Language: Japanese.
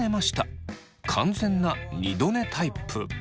完全な二度寝タイプ。